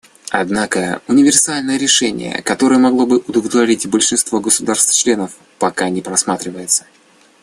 Однако универсальное решение, которое могло бы удовлетворить большинство государств- членов, пока не просматривается.